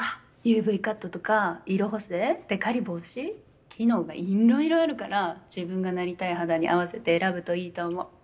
ＵＶカットとか色補正テカリ防止機能が色々あるから自分がなりたい肌に合わせて選ぶといいと思う。